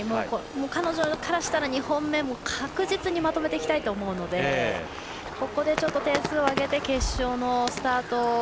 彼女からしたら２本目確実にまとめてきたいと思うのでここでちょっと点数を上げて決勝のスタート